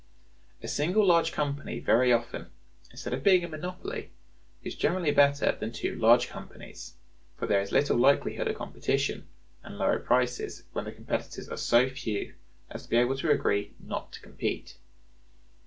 A single large company very often, instead of being a monopoly, is generally better than two large companies; for there is little likelihood of competition and lower prices when the competitors are so few as to be able to agree not to compete.